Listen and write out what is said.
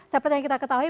seperti yang kita ketahui